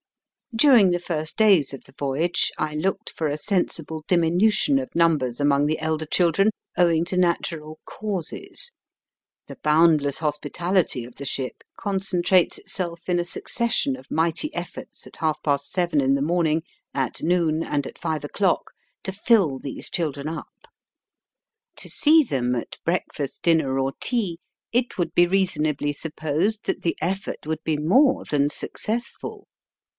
During the first days of the voyage I looked for a sensible diminution of numbers among the elder children owing to natural causes. The boundless hospitality of the ship concentrates itself in a succession ol mighty efforts at half past seven in the morn ing, at noon, and at five o'clock to fill these children up. To see them at breakfast, dinner, or tea it would reasonably be supposed that the effort would be more than successful.